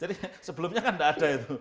jadi sebelumnya kan enggak ada itu